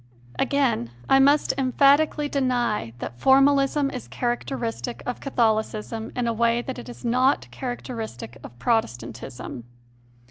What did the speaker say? Again, I must emphatically deny that formalism is characteristic of Catholicism in a way that it is not characteristic of Protestantism.